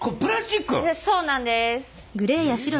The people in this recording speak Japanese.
そうなんです。